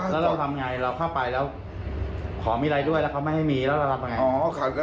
แล้วเราทำไงเราเข้าไปแล้วขอมีอะไรด้วยแล้วเขาไม่ให้มีแล้วเราทำไง